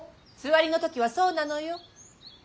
つわりの時はそうなのよ。